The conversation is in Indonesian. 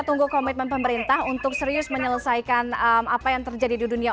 tunggu komitmen pemerintah untuk serius menyelesaikan apa yang terjadi di dunia